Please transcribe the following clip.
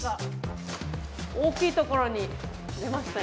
大きいところに出ましたよ。